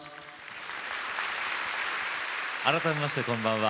改めまして、こんばんは。